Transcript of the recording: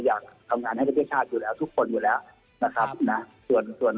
อยากทำงานให้ประเภทชาติอยู่แล้วทุกคนอยู่แล้ว